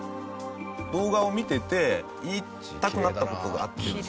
動画を見てて言いたくなった事があってですね。